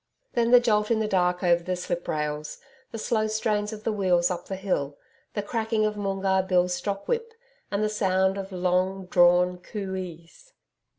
Then the jolt in the dark over the sliprails, the slow strain of the wheels up the hill, the cracking of Moongarr Bill's stock whip, and the sound of long drawn COO EES.